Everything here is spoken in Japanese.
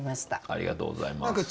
ありがとうございます。